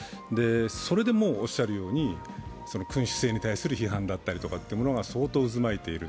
それでも、おっしゃるように君主制に対する批判とかが相当渦巻いている。